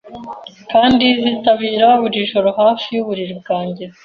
Kandi zitabira buri joro Hafi yuburiri bwanjye